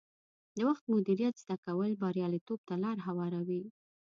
د وخت مدیریت زده کول بریالیتوب ته لار هواروي.